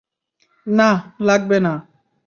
নাহ, লাগবে না।